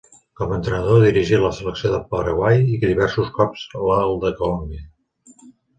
Com a entrenador dirigí la selecció del Paraguai i diversos cops al de Colòmbia.